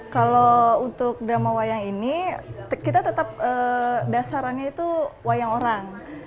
kalau untuk drama wayang ini kita tetap dasarannya itu wayang orang